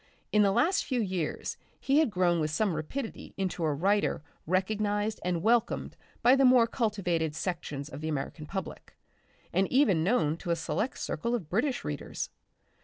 In the last few years he had grown with some rapidity into a writer recognised and welcomed by the more cultivated sections of the American public, and even known to a select circle of British readers.